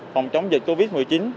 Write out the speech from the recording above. phòng chống dịch covid một mươi chín